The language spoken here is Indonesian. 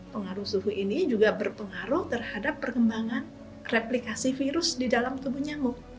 pengaruh suhu ini juga berpengaruh terhadap perkembangan replikasi virus di dalam tubuh nyamuk